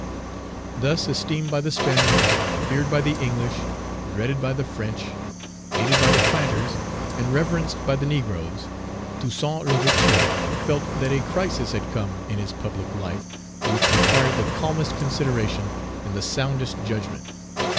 Thus esteemed by the Spaniards, feared by the English, dreaded by the French, hated by the planters, and reverenced by the negroes, Toussaint L'Ouverture felt that a crisis had come in his public life, which required the calmest consideration and the soundest judgment.